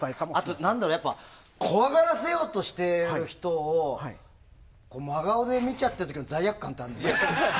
あと怖がらせようとしている人を真顔で見ちゃってる罪悪感ってあるよね。